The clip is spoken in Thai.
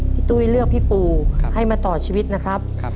ตุ้ยเลือกพี่ปูให้มาต่อชีวิตนะครับ